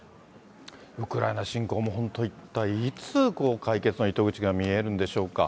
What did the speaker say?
ウクライナ侵攻も本当、一体いつ解決の糸口が見えるんでしょうか。